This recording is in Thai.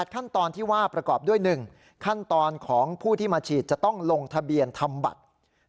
ขั้นตอนที่ว่าประกอบด้วย๑ขั้นตอนของผู้ที่มาฉีดจะต้องลงทะเบียนทำบัตร